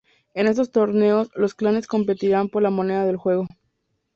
En estos torneos, los clanes competirían por la moneda del juego.